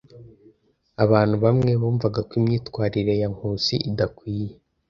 Abantu bamwe bumvaga ko imyitwarire ya Nkusi idakwiye.